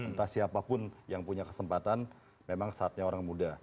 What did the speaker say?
entah siapapun yang punya kesempatan memang saatnya orang muda